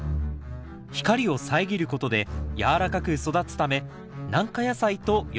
光を遮ることで軟らかく育つため「軟化野菜」と呼ばれています。